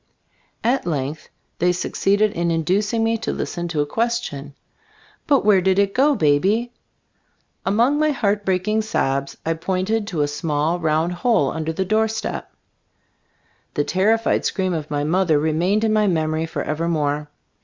At length they succeeded in induc ing me to listen to a question, "But where did it go, Baby ?" Among my heart breaking sobs I pointed to a small round hole under the doorstep. The terrified scream of my mother remained in my memory forever more.